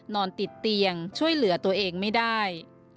นอนติดเตียงช่วยเหลือตัวเองไม่ได้